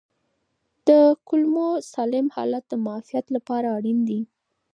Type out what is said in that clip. د کولمو سالم حالت د معافیت لپاره اړین دی.